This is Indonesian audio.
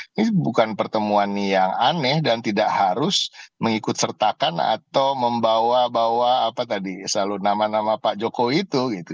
ini bukan pertemuan yang aneh dan tidak harus mengikut sertakan atau membawa nama nama pak jokowi itu